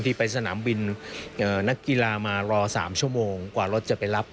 ไปสนามบินนักกีฬามารอ๓ชั่วโมงกว่ารถจะไปรับ